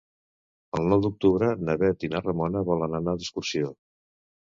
El nou d'octubre na Bet i na Ramona volen anar d'excursió.